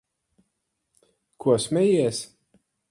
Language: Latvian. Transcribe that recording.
Ko smejies?